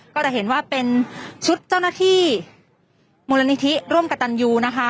ก็จะเห็นว่าเป็นชุดเจ้าหน้าที่มูลนิธิร่วมกับตันยูนะคะ